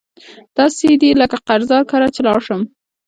داسي دي لکه قرضدار کره چی لاړ شم